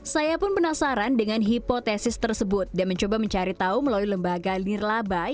saya pun penasaran dengan hipotesis tersebut dan mencoba mencari tahu melalui lembaga lirlabai